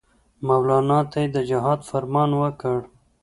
مولنا ته یې د جهاد فرمان ورکړ.